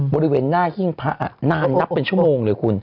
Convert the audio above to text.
บริเวณหน้าหิ้งพระนานนับเป็นชั่วโมงเลยคุณ